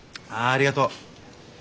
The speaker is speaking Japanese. ありがとう。